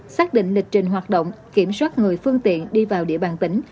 xác định lịch trình hoạt động kiểm soát người phương tiện đi vào địa bàn tỉnh